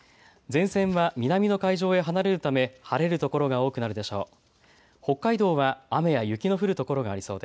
前線は南の海上へ離れるため晴れる所が多くなるでしょう。